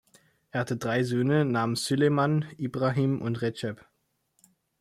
Er hatte drei Söhne namens Süleyman, Ibrahim und Recep.